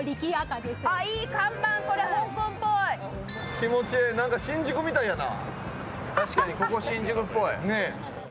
気持ちいい、なんか新宿みたいやな。